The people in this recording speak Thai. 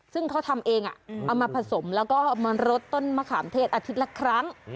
ซึ่งเขาทำเองเอามาผสมแล้วก็เอามารดต้นมะขามเทศอาทิตย์ละครั้ง